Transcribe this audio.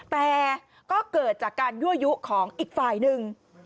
แต่ก็เกิดจากการยั่วยุของอีกฝ่ายหนึ่ง